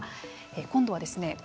今度はですね